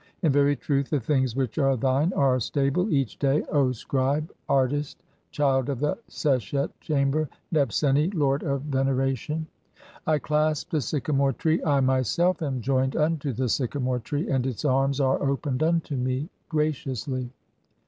(43) In "very truth the things which are thine are stable each day, O "scribe, artist, child of the Seshet chamber, Nebseni, lord of "veneration. I clasp the sycamore tree, (44) 1 myself am joined "unto the sycamore tree, and its arm[s] are opened unto me "graciously.